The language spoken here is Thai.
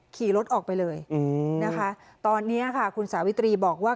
ขี่รถออกไปเลยนะคะตอนนี้ค่ะคุณสาวิตรีบอกว่า